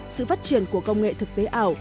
sự phát triển của công nghệ thực tế ảo